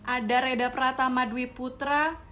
ada reda prata madwi putra